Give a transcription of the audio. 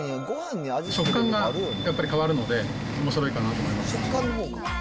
食感がやっぱり変わるので、おもしろいかなと思いました。